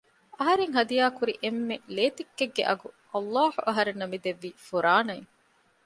އަހަރެން ހަދިޔާކުރި އެންމެ ލޭތިއްކެއްގެ އަގު ﷲ އަހަރެންނަށް މިދެއްވީ ފުރާނައިން